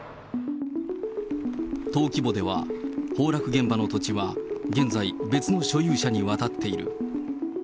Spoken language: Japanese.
登記簿では崩落現場の土地は現在、別の所有者に渡っている。